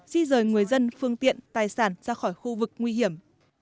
di rời người dân phương tiện tài sản ra khỏi khu vực nguy hiểm